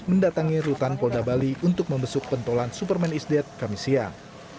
mendatangi rutan polda bali untuk membesuk pentolan superman is dead kami siang